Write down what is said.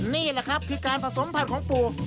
นี่แหละครับคือการผสมผัดของปู่